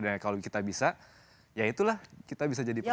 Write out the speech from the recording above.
dan kalau kita bisa ya itulah kita bisa jadi penang